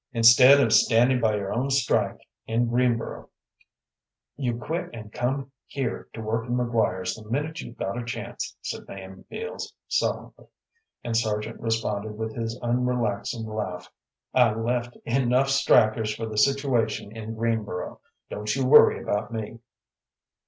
"Instead of standing by your own strike in Greenboro, you quit and come here to work in McGuire's the minute you got a chance," said Nahum Beals, sullenly, and Sargent responded, with his unrelaxing laugh, "I left enough strikers for the situation in Greenboro; don't you worry about me."